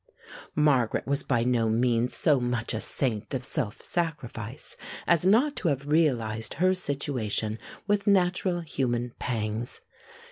Margaret was by no means so much a saint of self sacrifice as not to have realized her situation with natural human pangs.